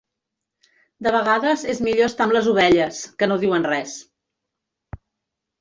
De vegades és millor estar amb les ovelles, que no diuen res.